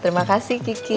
terima kasih kiki